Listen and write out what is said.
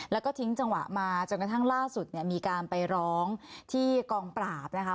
แล้วก็ทิ้งจังหวะมาจนกระทั่งล่าสุดเนี่ยมีการไปร้องที่กองปราบนะคะ